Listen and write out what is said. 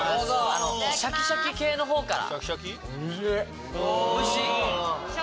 シャキシャキ系の方から。